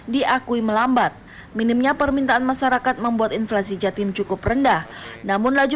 diakui melambat minimnya permintaan masyarakat membuat inflasi jatim cukup rendah namun laju